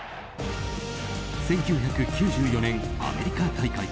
１９９４年、アメリカ大会。